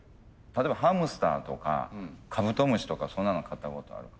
例えばハムスターとかカブトムシとかそんなの飼ったことある？